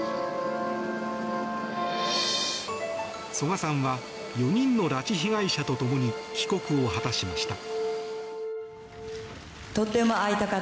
曽我さんは４人の拉致被害者と共に帰国を果たしました。